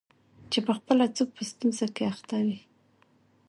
چي پخپله څوک په ستونزه کي اخته وي